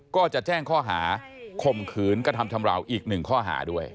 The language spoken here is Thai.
ก็จะแจ้งข้อหาข่มขืนกระทำชำราวอีกหนึ่งข้อหาด้วย